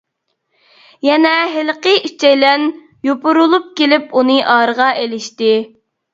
يەنە ھېلىقى ئۈچەيلەن يوپۇرۇلۇپ كېلىپ ئۇنى ئارىغا ئېلىشتى.